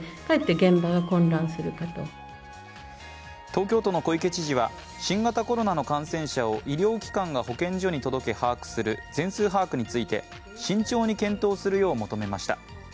東京都の小池知事は新型コロナの感染者を医療機関が保健所に届け、把握する全数把握について慎重に検討するよう求めました。